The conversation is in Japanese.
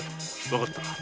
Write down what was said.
わかった。